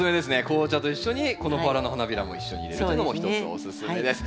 紅茶と一緒にこのバラの花びらも一緒に入れるというのもひとつおすすめです。